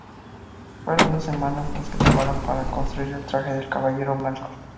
Fueron dos semanas las que tomaron para construir el traje de el Caballero Blanco.